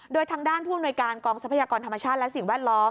โดยทางด้านผู้อำนวยการกองทรัพยากรธรรมชาติและสิ่งแวดล้อม